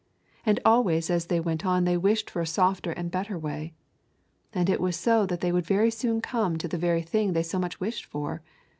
And always as they went on they wished for a softer and a better way. And it was so that they very soon came to the very thing they so much wished for.